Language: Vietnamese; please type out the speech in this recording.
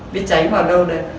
biết tránh vào đâu đấy